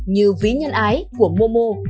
như ví nhân ái của momo